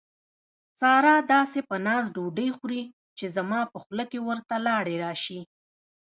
ساره داسې په ناز ډوډۍ خوري، چې زما په خوله کې ورته لاړې راشي.